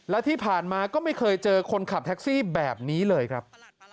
และที่ผ่านมาก็ไม่เคยเจอคนขับแท็กซี่แบบนี้เลยครับ